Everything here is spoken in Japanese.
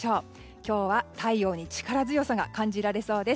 今日は太陽に力強さが感じられそうです。